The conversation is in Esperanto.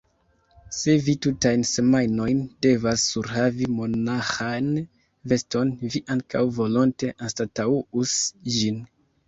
Se vi tutajn semajnojn devas surhavi monaĥan veston, vi ankaŭ volonte anstataŭus ĝin.